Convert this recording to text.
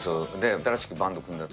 新しくバンド組んだって。